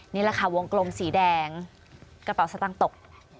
นี่แหละค่ะวงกลมสีแดงกระเป๋าสตางค์ตก